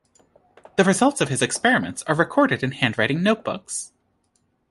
The results of his experiments are recorded in handwriting notebooks.